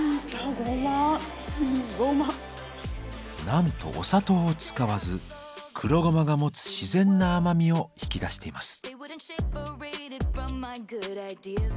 なんとお砂糖を使わず黒ごまが持つ自然な甘みを引き出しています。